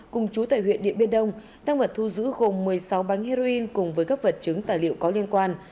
cùng chú tại huyện điện biên đông tăng vật thu giữ gồm một mươi sáu bánh heroin cùng với các vật chứng tài liệu có liên quan